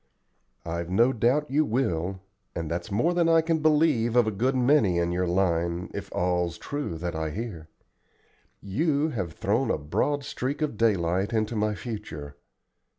"I've no doubt you will, and that's more than I can believe of a good many in your line, if all's true that I hear. You have thrown a broad streak of daylight into my future.